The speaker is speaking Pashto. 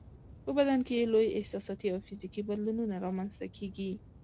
په بدن کې یې لوی احساساتي او فزیکي بدلونونه رامنځته کیږي.